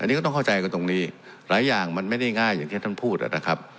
อันนี้ก็ต้องเข้าใจกันตรงนี้หลายอย่างมันไม่ได้ง่ายอย่างที่ท่านพูดนะครับ